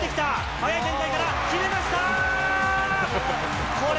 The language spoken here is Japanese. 速い展開から、決めました！